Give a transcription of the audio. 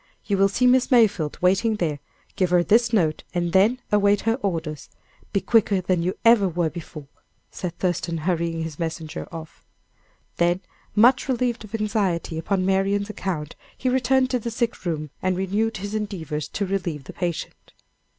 You will see Miss Mayfield waiting there, give her this note, and then await her orders. Be quicker than you ever were before," said Thurston, hurrying his messenger off. Then, much relieved of anxiety upon Marian's account, he returned to the sick room and renewed his endeavors to relieve the patient.